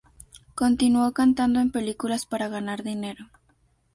Continuó cantando en películas para ganar dinero.